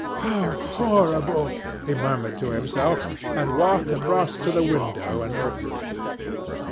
"How horrible!" he murmured to himself, and he walked across to the window and opened it.